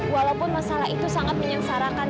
walaupun masalah itu sangat menyengsarakan